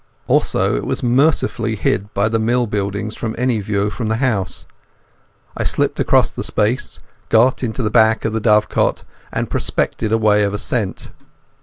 Also it was mercifully hid by the mill buildings from any view from the house. I slipped across the space, got to the back of the dovecot and prospected a way of ascent.